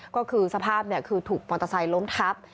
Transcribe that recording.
ก็คือสภาพคือถูกมอเตอร์ไซค์ล้มทับ